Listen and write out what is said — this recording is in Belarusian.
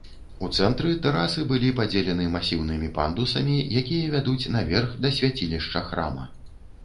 У цэнтры тэрасы былі падзелены масіўнымі пандусамі, якія вядуць наверх, да свяцілішча храма.